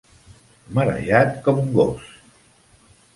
Marejat com un gos.